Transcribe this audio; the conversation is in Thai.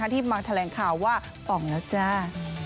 ที่มาแถลงข่าวว่าป่องแล้วจ้า